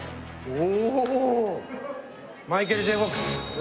お。